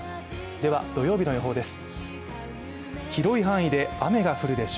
では、土曜日の予報です。